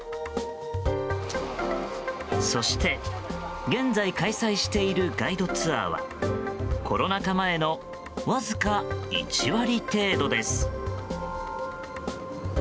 そして現在開催しているガイドツアーはコロナ禍前のわずか１割程度です。